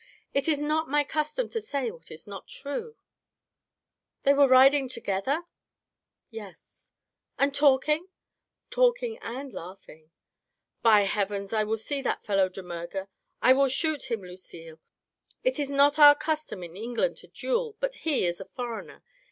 It is not my custom to say what is not true." Digitized by Google A. CONAN^ DOYLE, 47 " They were riding together ?"" Yes/' " And talking ?"" Talking and laughing/* " By heavens,! will see that fellow De Murger. I will shoot him, Lucille. It is not our custom in England to duel. But he is a foreigner.